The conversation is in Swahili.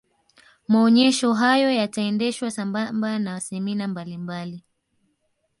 maonyesho hayo yataendeshwa sambamba na semina mbalimbali